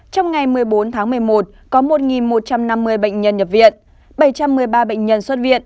trong ngày một mươi bốn tháng một mươi một có một một trăm năm mươi bệnh nhân nhập viện bảy trăm một mươi ba bệnh nhân xuất viện